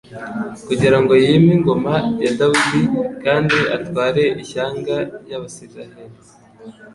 kugira ngo yime ingoma ya Dawidi kandi atware ishyanga ry'Abisiraheli.